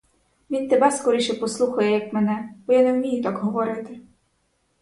Він тебе скоріше послухає, як мене, бо я не вмію так говорити.